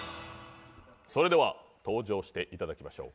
それでは登場していただきましょう。